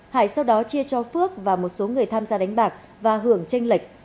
hải sau đó chia cho phước và một số người tham gia đánh bạc và hưởng tranh lệch